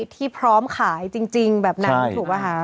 ที่พร้อมขายจริงแบบนั้นถูกป่ะคะ